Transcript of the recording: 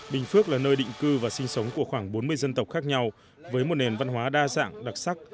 bình phước là nơi định cư và sinh sống của khoảng bốn mươi dân tộc khác nhau với một nền văn hóa đa dạng đặc sắc